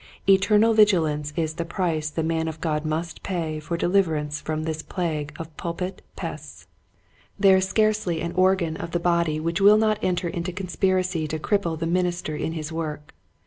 Eternal vigi lance is the price the man of God must pay for deliverance from this plague of pulpit pests. Mannerisms. 167 There is scarcely an organ of the body which will not enter into conspiracy to cripple the minister in his work.